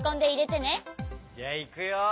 じゃあいくよ。